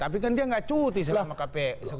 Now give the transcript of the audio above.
tapi kan dia nggak cuti selama kpi